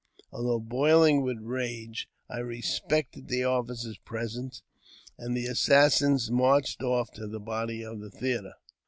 Although boiling with rage, I respected the officer's j|| presence, and the assassins marched off to the body of the * theatre.